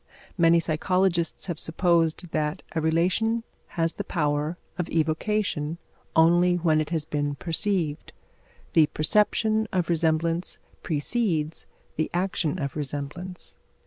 Many psychologists have supposed that a relation has the power of evocation only when it has been perceived. The perception of resemblance precedes the action of resemblance.